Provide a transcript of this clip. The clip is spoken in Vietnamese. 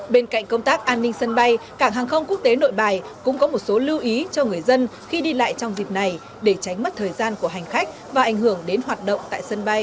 bên cạnh công tác an ninh sân bay cảng hàng không quốc tế nội bài cũng có một số lưu ý cho người dân khi đi lại trong dịp này để tránh mất thời gian của hành khách và ảnh hưởng đến hoạt động tại sân bay